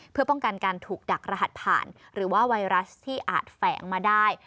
เพื่อป้องกันการถูกดักรหัสผ่านหรือว่าไวรัสที่อาจแฝงมาได้